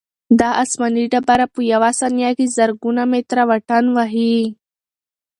دا آسماني ډبره په یوه ثانیه کې زرګونه متره واټن وهي.